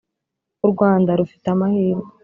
U Rwanda rufite amahirwe